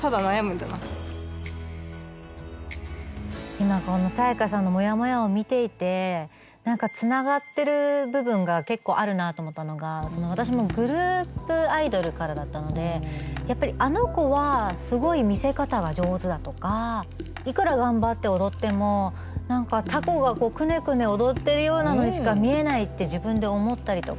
今この彩夏さんのもやもやを見ていて何かつながってる部分が結構あるなと思ったのが私もグループアイドルからだったのでやっぱりあの子はすごい見せ方が上手だとかいくら頑張って踊っても何かタコがくねくね踊ってるようなのにしか見えないって自分で思ったりとか。